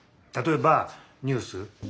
たとえばニュース。